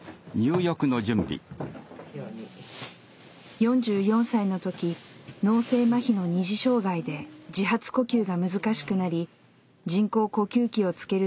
４４歳の時脳性まひの二次障害で自発呼吸が難しくなり人工呼吸器をつけるため気管を切開。